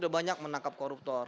banyak menangkap koruptor